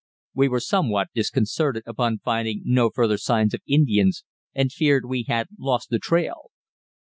We were somewhat disconcerted upon finding no further signs of Indians, and feared we had lost the trail.